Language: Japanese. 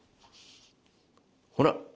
ほら！